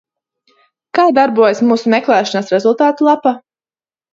Kā darbojas mūsu meklēšanas rezultātu lapa?